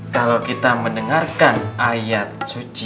kalau kita mendengarkan ayat suci al quran